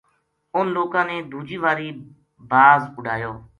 اُنھ لوکاں نے دوجی واری باز اُڈایو